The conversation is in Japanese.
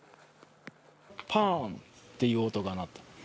ぱーんっていう音が鳴った。